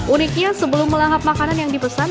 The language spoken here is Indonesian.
uniknya sebelum melahap makanan yang dipesan